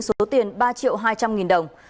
số tiền ba mươi chín triệu đồng